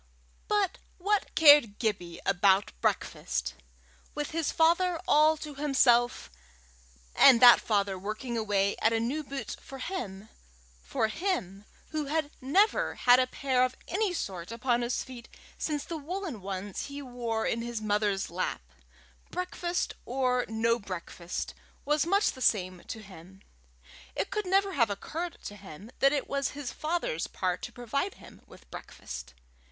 But what cared Gibbie about breakfast! With his father all to himself, and that father working away at a new boot for him for him who had never had a pair of any sort upon his feet since the woollen ones he wore in his mother's lap, breakfast or no breakfast was much the same to him. It could never have occurred to him that it was his father's part to provide him with breakfast.